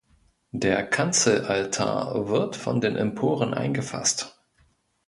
Der Kanzelaltar wird von den Emporen eingefasst.